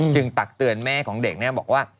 ตักเตือนแม่ของเด็กบอกว่า